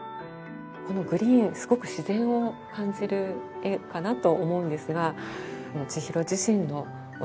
このグリーンすごく自然を感じる絵かなと思うんですが。